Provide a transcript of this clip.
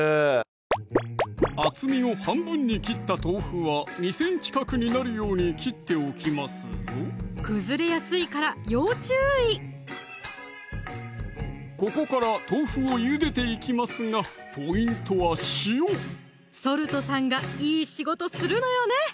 厚みを半分に切った豆腐は２ｃｍ角になるように切っておきますぞ崩れやすいから要注意ここから豆腐をゆでていきますがポイントは塩ソルトさんがいい仕事するのよね